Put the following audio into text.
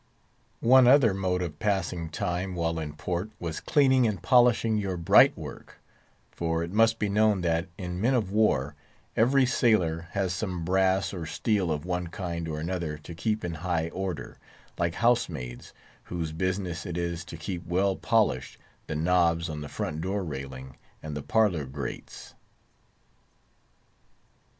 One other mode of passing time while in port was cleaning and polishing your bright work; for it must be known that, in men of war, every sailor has some brass or steel of one kind or other to keep in high order—like housemaids, whose business it is to keep well polished the knobs on the front door railing and the parlour grates.